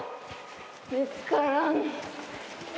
見つからん。